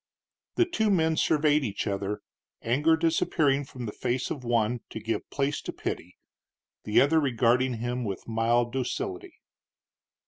The two men surveyed each other, anger disappearing from the face of one to give place to pity, the other regarding him with mild docility.